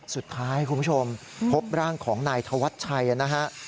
สุดท้ายคุณผู้ชมพบร่างของนายธวัดชัยนะฮะ